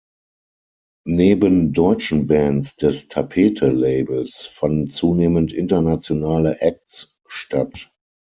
Neben deutschen Bands des Tapete Labels fanden zunehmend internationale Acts statt.